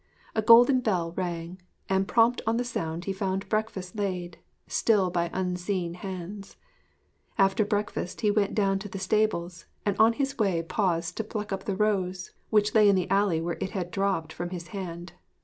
A golden bell rang; and prompt on the sound he found breakfast laid, still by unseen hands. After breakfast he went down to the stables, and on his way paused to pick up the rose, which lay in the alley where it had dropped from his hand.